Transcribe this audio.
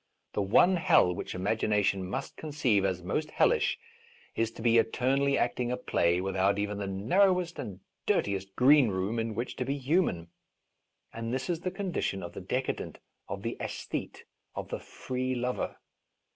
The one hell which imagination must conceive as most hellish is to be eternally acting a play without even the narrowest and dirtiest greenroom in which to be human. And this is the con dition of the decadent, of the aesthete, of the free lover.